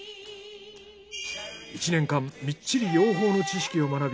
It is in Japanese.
１年間みっちり養蜂の知識を学び